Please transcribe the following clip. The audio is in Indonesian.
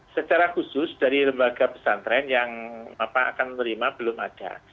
secara khusus dari lembaga pesantren yang bapak akan menerima belum ada